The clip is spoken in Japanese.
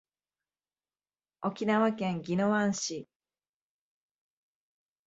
沖縄県宜野湾市